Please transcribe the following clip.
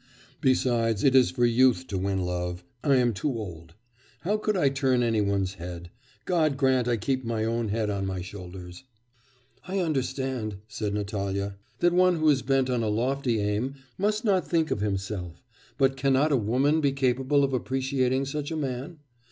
Besides, it is for youth to win love; I am too old. How could I turn any one's head? God grant I keep my own head on my shoulders.' 'I understand,' said Natalya, 'that one who is bent on a lofty aim must not think of himself; but cannot a woman be capable of appreciating such a man?